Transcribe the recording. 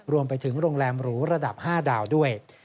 รวมไปถึงโรงแรมหรูระดับ๕ดาวด้วย